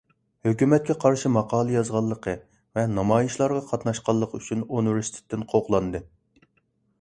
ھۆكۈمەتكە قارشى ماقالە يازغانلىقى ۋە نامايىشلارغا قاتناشقانلىقى ئۈچۈن ئۇنىۋېرسىتېتتىن قوغلاندى.